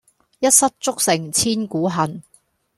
一失足成千古恨